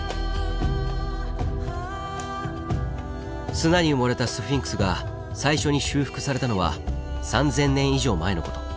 砂に埋もれたスフィンクスが最初に修復されたのは３０００年以上前のこと。